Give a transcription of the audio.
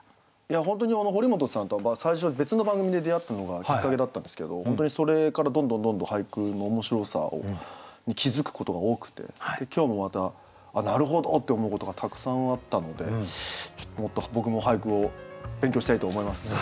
本当に堀本さんとは最初別の番組で出会ったのがきっかけだったんですけど本当にそれからどんどんどんどん俳句の面白さに気付くことが多くて今日もまた「なるほど！」って思うことがたくさんあったのでもっと僕も俳句を勉強したいと思います。